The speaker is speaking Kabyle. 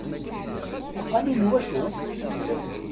Lqanun n wacu?